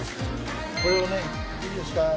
これをねいいですか？